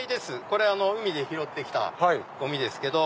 これ海で拾って来たゴミです。